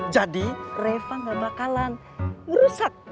jadi reva gak bakalan merusak